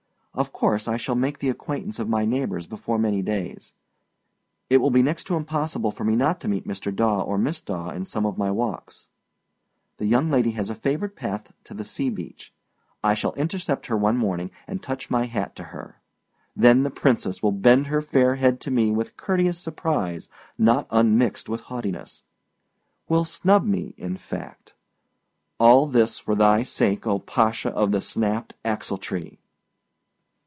Of course I shall make the acquaintance of my neighbors before many days. It will be next to impossible for me not to meet Mr. Daw or Miss Daw in some of my walks. The young lady has a favorite path to the sea beach. I shall intercept her some morning, and touch my hat to her. Then the princess will bend her fair head to me with courteous surprise not unmixed with haughtiness. Will snub me, in fact. All this for thy sake, O Pasha of the Snapt Axle tree!...